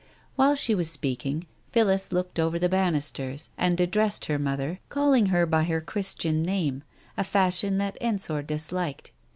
While she was speaking, Phillis looked over the banisters, and addressed her mother, calling her by her Christian name, a fashion that Ensor disliked.